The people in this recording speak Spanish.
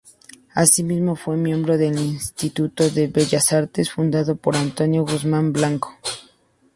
Asimismo, fue miembro del Instituto de Bellas Artes fundado por Antonio Guzmán Blanco.